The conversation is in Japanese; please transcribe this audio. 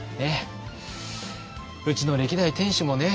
うちの歴代店主もね